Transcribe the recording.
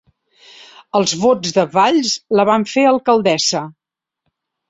Els vots de Valls la van fer alcaldessa